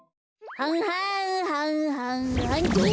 はんはんはんはんはんどわ！